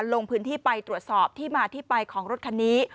ลงพื้นที่ไปตรวจสอบที่มาที่ไปของรถคันนี้